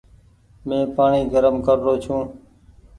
مين پآڻيٚ گرم ڪر رو ڇون ۔